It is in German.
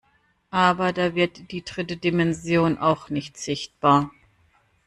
Aber da wird die dritte Dimension auch nicht sichtbar.